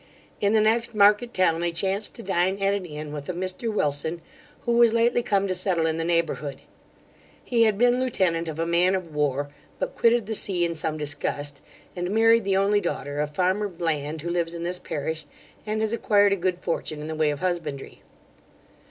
In the next market town I chanced to dine at an inn with a Mr Wilson, who was lately come to settle in the neighbourhood. He had been lieutenant of a man of war, but quitted the sea in some disgust, and married the only daughter of farmer Bland, who lives in this parish, and has acquired a good fortune in the way of husbandry.